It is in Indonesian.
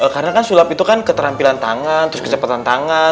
karena kan sulap itu kan keterampilan tangan terus kecepatan tangan